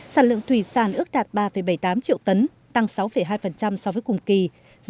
sản lượng thủy sản ước đạt ba bảy mươi tám triệu tấn tăng sáu hai so với cùng kỳ